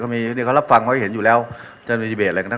เมื่อกว่าจะถึงสังเกต